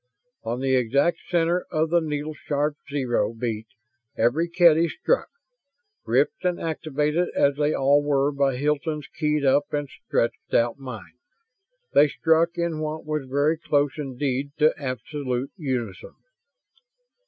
On the exact center of the needle sharp zero beat every Kedy struck. Gripped and activated as they all were by Hilton's keyed up and stretched out mind, they struck in what was very close indeed to absolute unison.